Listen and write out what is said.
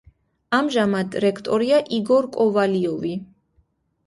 ამჟამად რექტორია იგორ კოვალიოვი.